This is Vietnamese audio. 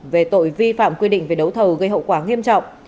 về tội vi phạm quy định về đấu thầu gây hậu quả nghiêm trọng